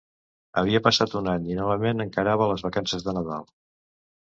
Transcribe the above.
Havia passat un any i novament encarava les vacances de Nadal.